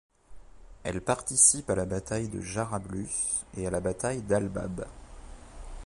Elle participe à la bataille de Jarablus et à la bataille d'al-Bab.